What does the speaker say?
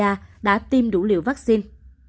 australia đã tiêm đủ liều vaccine